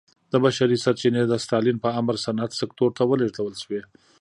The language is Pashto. دا بشري سرچینې د ستالین په امر صنعت سکتور ته ولېږدول شوې